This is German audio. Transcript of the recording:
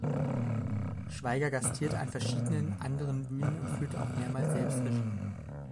Schweiger gastierte an verschiedenen anderen Bühnen und führte auch mehrmals selbst Regie.